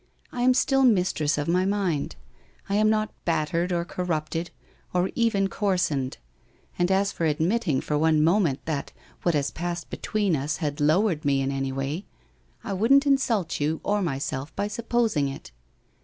I am still mistress of my mind. I am not battered or corrupted, or even coarsened. And as for admitting for one moment that — what has passed between us, had lowered me in any way, I wouldn't insult you, or myself by supposing it.